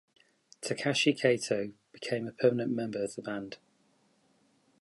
Takashi Kato became a permanent member of the band.